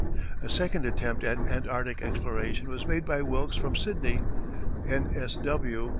A second attempt at Antarctic exploration was made by Wilkes from Sidney, N. S. W.